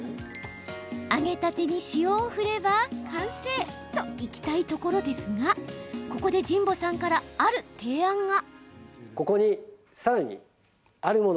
揚げたてに塩を振れば完成！と、いきたいところですがここで、神保さんからある提案が。